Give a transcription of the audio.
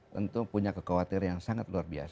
tentu punya kekhawatiran yang sangat luar biasa